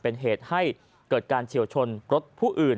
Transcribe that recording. เป็นเหตุให้เกิดการเฉียวชนรถผู้อื่น